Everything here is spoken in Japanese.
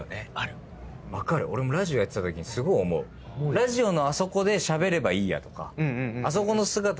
ラジオのあそこでしゃべればいいやとか。